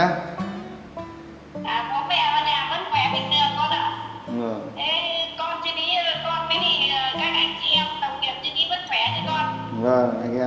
dạ có mẹ ở nhà vẫn khỏe